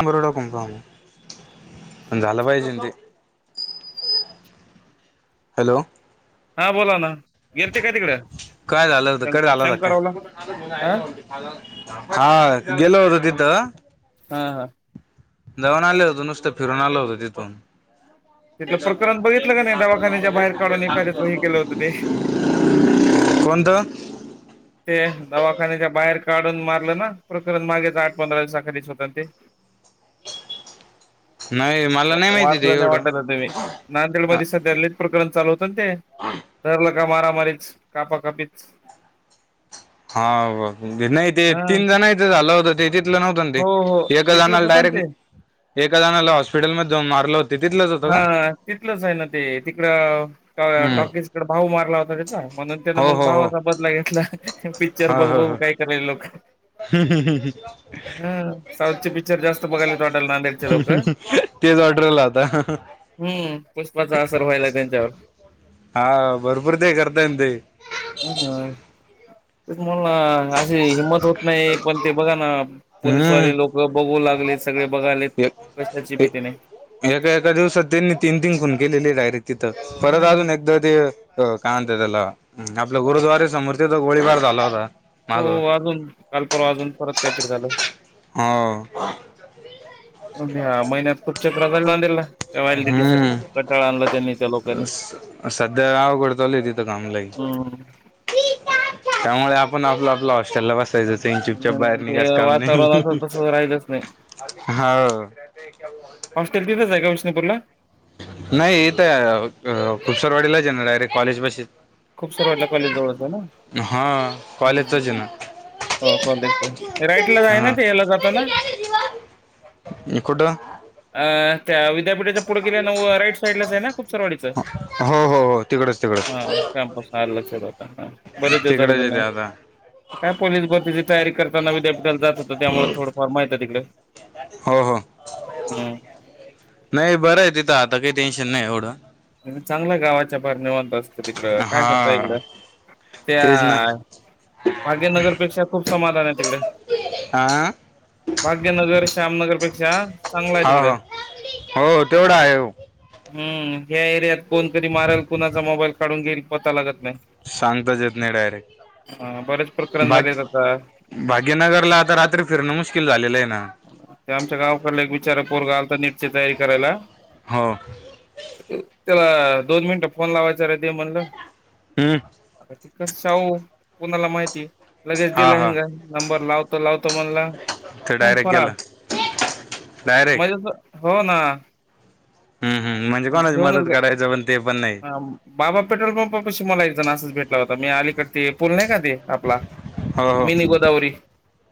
आम आरोडकम पाम अ हलवायजी हॅलो हा बोला ना गेलते काय तिकडे काय झालं होत कडे शं- झालं होता शंकरावला काय अ हा गेलोवरर तेत हा हा जाऊन आले होतं नुसतं फिरून आलं होतं तिथून तिथलं प्रकरण बघितलं का नाही दवाखान्याच्या बाहेर काढून एखाद्याच हे केलं होत ते कोणतं ते दवाखान्याच्या बाहेर का काढून मारलं ना प्रकरण मागेच आठ पंधरा दिवसाखच होत ते नाही मला नाही माहिती ते एवढं नांदेड म सध्या लित प्रकरण चालू होत ते का का मारा मारीच कापा कापीच हा नाही ते तीन जण इथं झालं होत तेथ न्हत हो हो तिथलंच होत ना डायरे ते एला हॉस्पिटल म मारल हा तिथलंच आहे ना ते तिकड हम्म टॉकीसकडे भाऊ मारला होता त्याचा न त्यान हो मग हो हो भावाचा बदला घेतला पिक्चर बघ बघ काय करायल लोक हम् हम् हम् ह हा साऊथचे पिक्चर जास्त बघायला त वाटाला नांदेडचे लोक तेच ऑर्डरला आता हम्म पुष्पाचा अससर व्हायला त्यांच्यावर हा भरपूर ते करताय ते ते म्होल ना असशी हिंमत होत नाही पण ते बघा ना हम्म पोलिसवाले लोक बघू लागलेत सगळे बघायलेत कशाची एक भीती नाही एका एका दिवसात त्यांनी तीन तीन फूनन केले डायरेक्ट परत हम्म. अजून एकदा ते कातेतला गुरुद्वे समृर्तीथ गोळीबार झाला होता हो माग अजून काल परवा अजून परत काहीतरी झालं ह्या हो महिन्यात खूप चक्रा झाल्या नांदेडला त्या व्हॅलिडिटी साठी कंटाळा आणला हम्म त्यांनी त्या लोकांनी. सध्या आवकडतले तिथं कामलाही हम्म. त्यामुळे आपण आपलं आपल्या हॉस्टेल ला बसतो स इनच्यबच्या बाहेर ते निघाच काम नाही वातावरण आता तसं राहिलंच नाही होा विष्पूरला नाही इथ खुपसरवाडीलाच आहे ना डायरेक्ट कॉलेज बस खूप सार वाटला कॉलेज जवळच ना ह कॉवाले येतोज हम्म ना हो कॉलेज राईट ला जाय ना ते याला जातो ना इकड अ त्या विद्यापीठाच्या पुढ गल्या न राईट साईडलाच आहे ना खूप सरवाडीीचं हो हो हो तिकडच तिकडच हा कॅमपस लक्षात होता बर तेचार तिकडच येते आता. काय पोलीस भरतीची तयारी करताना विद्यापीठाला जात होतं त्यामुळे थोडंफार माह आहे तिकडे हो हो हम्म नाही बरं आहे तिथं आता काही टेन्शन नाही एवढं चांगल्या गावाच्या भ निवतो तिकड काय करता इकड हा त्या तेच ना भाग्यनगरपेक्षा खूप समाधान आहे तिकडे आ भाग्यनगर श्यामनगरपेक्षा चांगला आहे हा तिकडे ह हो तेवढा आहे हम्म ह्या एरियात कोणतरी मारल कुणाचा मोबाईल काढून घेईल पता लागत नाही. सांगताच येत नाही डायरेक्ट हा बरेच प्रकरण भाग झाले आहेत आता. भाग्यनगरला आता रात्री फिरणं मुश्किल झालेलं आहे ना ते आमच्या गावाकडला एक बिचारा पोरगा आलता नीटची तयारी करायला. हो त्याला दोन मिनटं फोन लावायचा रे दे म्हणलं. हम्म कसं सांगू कोणाला माहिती. लगेज हा दिला हा हेंगा नंबर लावतो लावतो म्हणला ते धूम डायरेक्ट फरार. गेला डायरेक्ट म्हणजे असं हो ना. हम् हम म्हणजे कोणाची मदत घेऊनच करायच पण. ते पण नाही बाबा पेट्रोल पंपापाशी मला एकजण असाच भेटला होता मी अलीकड ते पूल नाही का आपला हो हो मिनी गोदावरी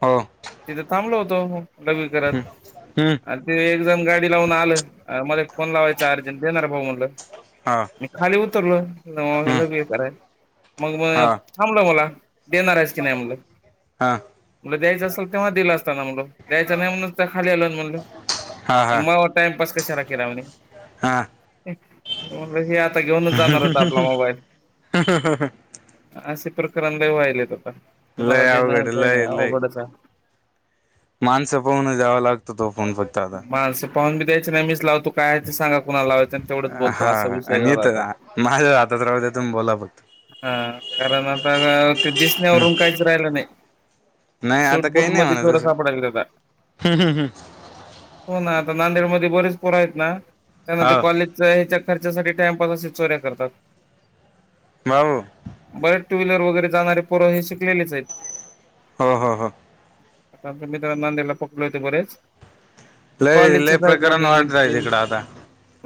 हो हम्म तिथे थांबलो होतो. लघवी करत हम्म आणि ते एक जण गाडी लावून आलं. मले फोन लावायचा अर्जंट दे ना रे भाऊ म्हणलं. हा मी खाली उतरलो हे हम्म लई बेकार आहे मग हा थांबलं मला देणार आहेस की नाही म्हणलं हा मग द्यायचं असेल तेव्हाच दिलं असता ना म्हणलं. द्यायच नाही म्हणूनच खाली आल म्हणलो हा हा मग टाइमपास कशाला केला म्हणे. हा [unintelligible] मग म्हणलं हे आता घेऊनच जाणार होत आपला मोबाईल. असे प्रकरण लई व्हयल्यात आता कुणाला लय देणं अवघड लय घेणं लय अवघडच आहे. माणसं पाहून द्यावा लागतो तो फोन फक्त आता. माणसं पाहून बी द्यायच नाही मीच लावतो काय ते सांगा कुणाला लावायचं आणि तेवढच बोलतो. हा असा विषय आणि झाला आता इथंच माझ्या हातात राहू दे तुम्ही बोला फक्त. हा कारण आता ते दिसण्यावरून काहीच राहिलं नाही. नाही आता सूटबूट काही नाही मध्ये म्हणा चोर सापडाल्यात आता. तसं हो ना आता नांदेड मध्ये बरीच पोरं आहेत ना त्यांना ते हो कॉलेज ह्याच्या खर्चासाठी टाइमपास असे चोऱ्या करतात. माऊ बरेच टू व्हीलर वगैरे जाणारे पोरं हे शिकलेलेच आहेत. हो हो हो. आता आमच्या मित्र नांदेडला पकडले होते बरेच. लय लय कॉलेजच्याच आहेत मग प्रकरण वाढत आहे ते तिकडं आता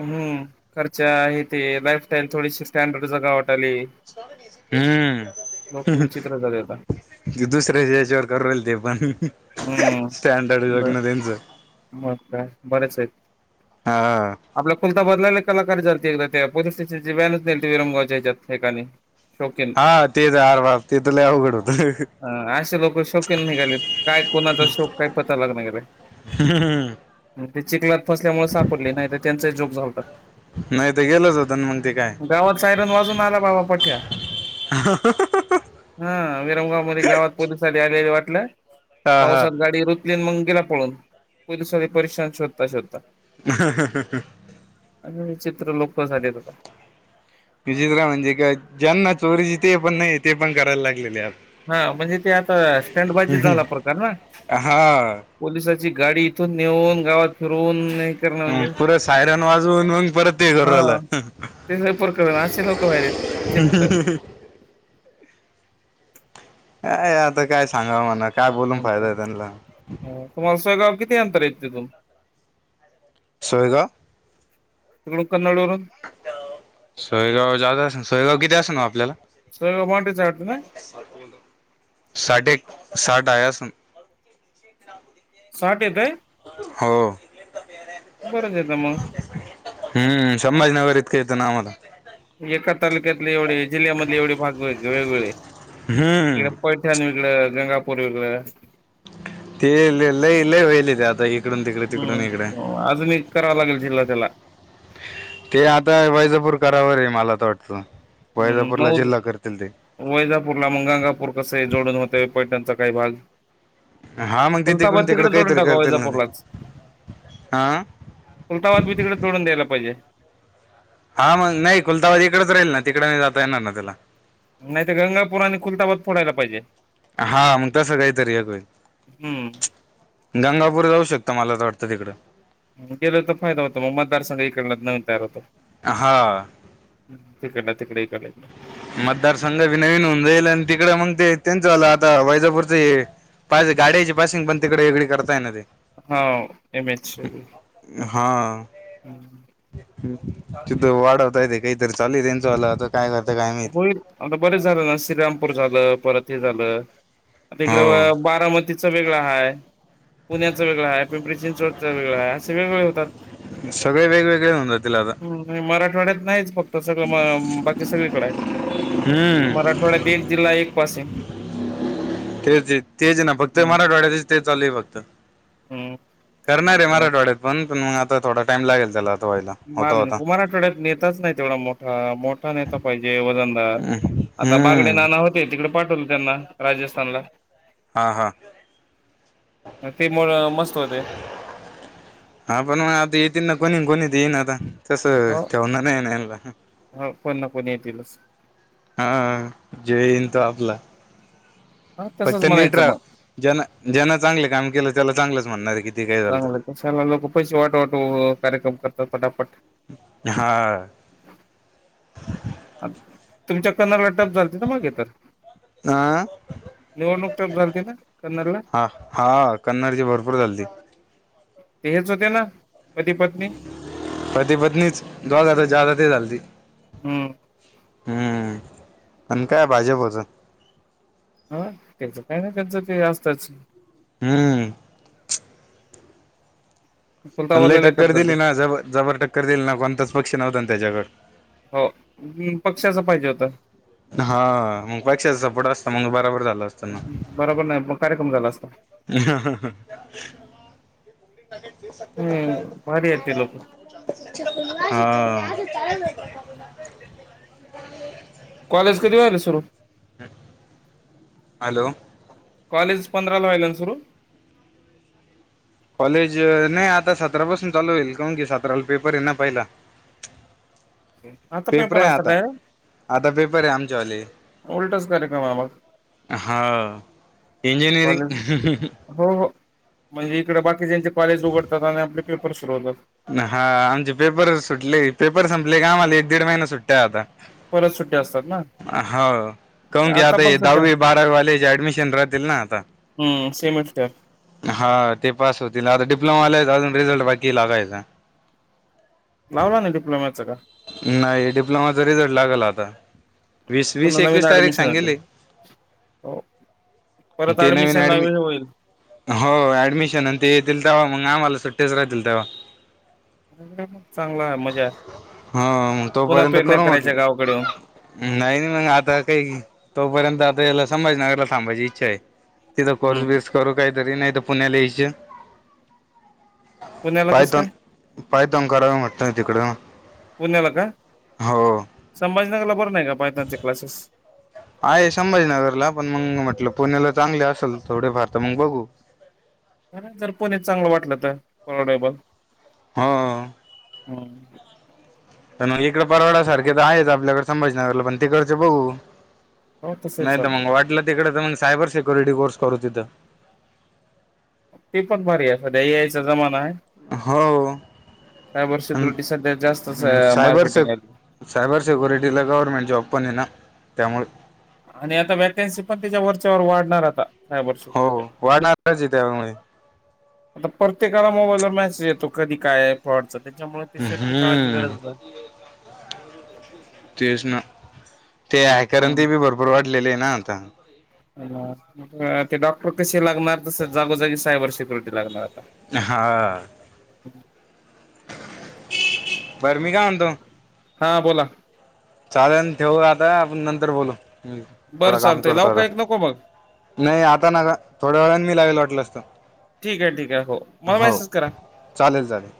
हम खर्च आहे ते लाईफस्टाईल थोडीशी स्टँडर्ड जगाव वाटत. हम्म लोक विचित्र झाले आता दुसऱ्या याच्यावर करल ते पण हम्म स्टँडड बर जगण त्यांचं. मग काय बरेच आहेत. हा आपल्या कुलता बदलाला कला ल एकदा त्या पोलीस स्टेशनची व्हॅनच नेलती विरमगावच्या हेचात एकानी. हा तेच हर वार ते तुला अवघड होत. ह असे लोक शोकीन निघालेत काय कोणाचा शोक काय पता लागणा गेलाय. हम्म ते चिखलात फसल्यामुळे सापडले नाही तर त्यांचाही जोक झालता. नाही तर गेलच होत ना मग ते काय गावात सायरन वाजून आला बाबा पठ्या. [unintelligible] विरंम गावात मग गावात पोलिस आलेली वाटलं हा हा पावसात गाडी रुत- -ली मग गेला पळून. पोलिसवाले परेशान शोधता शोधता. [unintelligible] आणि विचित्र लोक झालेत. विचित्र म्हणजे काय ज्यांना चोरीची ते पण नाही ते पण करायला लागलेले आता. हा म्हणजे ते आता स्टँड बाजी झाला प्रकार ना हा पोलस गाडी इथून नेऊन गावात फिरून हम पुरं सायरन वाजवून मग परत ते कर हा आलं. ते पुर नाश लोक व विचित्र. अ आता काय सांगाव मणा. हो का. तुम्हाला सोयगाव किती अंतर आहे तिथून? सोयगाव. तड कन्नड वरून सोयगाव जात अस सोयगाव किती असं ना आपल्याला? सोयगाव माटेच आहे वाटतं ना [inaudible] षेक राहू दे. साठ येतोय. हो बरंच येतं मग हम्म संभाजीनगर इथ [unintelligible] एका तालुक्यातले एवढे इकडं हम्म पैठण वेगळं, गंगापूर वेगळं. ते लई लई वहिलय ते आता इकडून तिकडे तिकडून इकडे. हम्म अजून करावा लागेल तिला. ते आता वैजापूर करावर आहे मला तर वाटतं. हम् वैजापूरला मऊ जिल्हा करतील ते वैजापूर ला म गंगापूर कस आहे जोडून होत पैटणचा काही भाग हा मग ते खुलताबा तिकडून तिकडे जोडून काहीतरी टाका करतील ना ते वैजापूरलाच. हा उलताबाद मी तिकडे जोडून द्यायला पाहिजे. हा मग नाही कुलताबादी इकडेच राहील ना तिकडे नाही जाता येणार ना तिला. नाही तर गंगापूर आणि कुलताबाद फोडायला पाहिजे. हा मग तसं काहीतरी एक होईल. हम्म गंगापूर जाऊ शकता मला तर वाटतं आत्ता तिकडं. गेल तर फायदा होतो मग मतदारसंघ इकडला नऊन तयार होतो. हा. हिकडन तिकडे इकडला इकडे मतदारसंघ बी नवीन होऊन जाईल आणि तिकड मग ते त्यांचं झालं आता वैजापूरच पास गाडची पासिंग पण तिकडे इकडे करताय ना ते हा एमच [unintelligible] हां. [inaudible] तु वाडावतय ते काहीतरी चालेय त्याचं होईल. आता बरेच झालं ना श्रीरामपूर झालं परत ते झालं. आता इकडं हो बारामतीचं वेगळं आहे, पुण्याचं वेगळं आहे, पिंपरी चिंचवड च वेगळ हाय. असं वेगवेगळ्या होतात. सगळे वेगवेगळे होऊन जातील आता. हम्म मराठवाड्यात नाहीच फक्त सगळं म बाकी सगळीकडे आहे. हम्म मराठवाड्यात एक जिल्हा एक पासिंग. तेच तेच ना फक्त हम्म मराठवाड्यातच ते चालू आहे फक्त. हम्म करणार आहे मराठवाड्यात पण पण मग आता थोडा टाइम लागेल त्याला. व्हायला मा होता होता कुमार आठवड्यात नेताच नाही तेवढा मोठा, मोठा नेता पाहिजे वजनदार. आता बागडे हम्म नाना होते, तिकडे पाठवले त्यांना राजस्थानला. हा हा त्यामुळे हा पण मग आता येतील ना कोणी कोणीत येईन आता. तस हो ठेवणार नाही ना यांना. हो कोण ना कोणी येतीलच हा जो येईल तो आपला. हा फक्त तसंच नीट म्हणायचं रहा. मग ज्यांना ज्यांना चांगले काम केलं त्याला चांगलंच म्हणणार कि. चांगलं कशाला लोक पैसे वाट वाटू कार्यक्रम करतात फटाफट. हा. [unintelligible] आह. निवडणूक टप झालती ना कन्नडला हा हा कन्नडची भरपूर झालती. ते हेच होते ना पती पत्नी पती पत्नीच दोघाचा जादा ते झाचाल त हम्म हम्म प काय भाजपच हा त्याचं काही ना त्याचं काही असतच हम्म पण लय कुलताबादला टप टक्कर झालत दिली ना ज जबर टक्कर दिली ना कोणताच पक्षी नव्हता ना त्याच्याकडे हो पक्ष्याच पाहिजे होतं हा मग पक्षा सपोट असतता मग बराबर जात ताना बरोबर नाही मग कार्यक्रम झाला असता हम्म भारी येत लोक हा कॉलेज कधी व्हा ना सुरू हम् हॅलो कॉलेज पंधरा ला व्हायलन सुरू कॉलेज नाही आता सतरा पासून चालू होईल का की सतराला पेपर आहे ना पहिला आता पेपर आहे असत आता काय आता पेपर आहे आमच्यावाले उलटच कार्यक्रम आहे मग हा कॉलेज इंजनीिरींग हो हो म्हणजे इकडडे बाकी ज्यांचे कॉलेज उघडतात आणि आपले पेपर सुरवतात हा आमचे पेपर सुटले पेपर संपले का आमला एक दीड महिना सुट्ट्या आता परत सुट्टी असत हो काून की आता पण हे सुट्ट्या दहावी बारावीवालेज ऍडमिशन राहतील ना आता हम स हा ते पास होतील आता डिप्लोमा अ रिझलट बाकी लागायेत लावला नाही डिप्लोम्याचं का नाही डिप्लोमाचा रिझल्ट लागल आता वीस वीस पुन्हा नवीन एकवीस तारीख ऍडमिशन होतील सांगेली हो परत ते नवीन ऍडमिशन ड लावेल होईल हो ऍडमिशन ते येतील म कामला सुट्टेच रा दिलतेव हम् चांगला आहे मजा हा पुन्हा तोपर्यंत पेरण्या करून करायच्या गावाकडे येऊन म्हटलं नाही नाही मग आता काही तोपर्यंत आता साज नगला ांयची इच्छा आहे तिथ कोर् हम्म बर्स करू काहीतरी नाही पुण्यालज पुण्याला कसं पायतन काय पायतोन करावे म्हटत तिकड पुण्याला का संभाजीनगरला बरं नाही का भाजनगरचे क्लासेस आहे संभाजीनगरला पण मग म्हटलं पुण्याला चांगले असेल थोडे फार तर मग बघू र जर पुणी चांगलं वाटलं तर कटेबल हम हम्म पण मग इकड परवाड सारखे तर आहेत आपल्याकडे संभजीनगरला पण ते करचे बघू हो तसही नाही तर चालतं मग वाटलं तिकड तर मग सायबर सेक्युरिटी कोर्स करू तिथं ती पण भारी आहे सध्या या यायचा जमाना आहे हो काय वर्ष त्रुटी सध्या जास्त सायबर से मार्केटिंग आहे सायबर सेक्युरिटीला गव्हर्नमेंट जॉब पण आहे ना त्यामुळे आणि आता वॅकन्सी पण त्याच्या वरच्यावर वाढणार आता सायबर हो सिक्युरिटी वाढणारच आहे त्यामुळे आता प्रत्येकाला मोबाईलवर मेसेज येतो कधी काय आहे फॉटचा त्याच्यामुळे ती सेफ्टी काळाची हम्म गरज नाही तेच ना ते आहे कारण ते हम्म. बी भरपूर वाढलेले आहे ना आता ते डॉक्टर कसे लागणार तस जागोजागी सायबर सेक्युरिटी लागणार ह हम् बर म का म्हतो हां बोला चालेल ठेवू आता आपण नंतर बोलू बरं थोडा काम चालतंय करतो लावू आता का एक नको मग नाही आता नका थोड्या वेळने मी लागल वाटल असत ठीक आहे ठीक आहे हो मला मेसेज करा चालेल चालेल